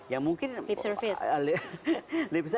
yang mungkin lip service